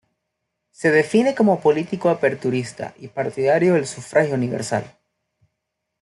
Se define como político aperturista y partidario del sufragio universal.